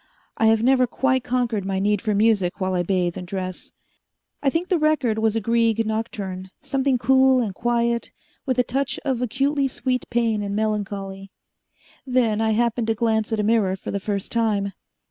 I have never quite conquered my need for music while I bathe and dress. I think the record was a Grieg nocturne something cool and quiet, with a touch of acutely sweet pain and melancholy. Then I happened to glance at a mirror for the first time.